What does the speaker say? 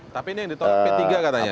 tapi ini yang ditopi tiga katanya